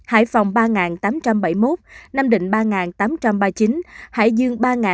hải phòng ba tám trăm bảy mươi một nam định ba tám trăm ba mươi chín hải dương ba sáu trăm bảy mươi sáu